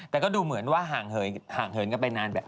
แต่ก็ดูเหมือนว่าห่างเหินกันไปนานแบบ